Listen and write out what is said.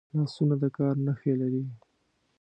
لاسونه د کار نښې لري